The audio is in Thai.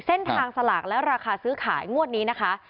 เส้นทางสลากแล้วราคาซื้อขายงวดนี้นะคะ